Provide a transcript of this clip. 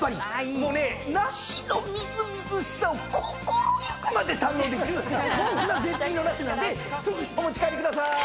もうね梨のみずみずしさを心行くまで堪能できるそんな絶品の梨なんでぜひお持ち帰りくださーい。